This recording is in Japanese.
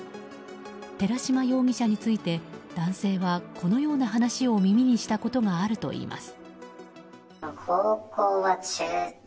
寺島容疑者について男性は、このような話を耳にしたことがあるといいます。